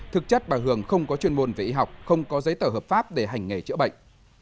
thực chất bà hường không có chuyên môn về y học không có giấy tờ hợp pháp để hành nghề chữa bệnh